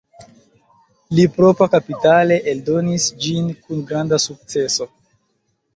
Li propra-kapitale eldonis ĝin kun granda sukceso.